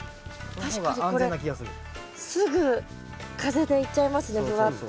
確かにこれすぐ風でいっちゃいますねふわっと。